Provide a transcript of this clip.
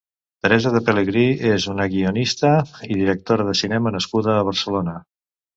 Teresa de Pelegrí és una guionista i directora de cinema nascuda a Barcelona.